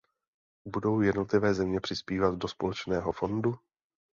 Budou jednotlivé země přispívat do společného fondu?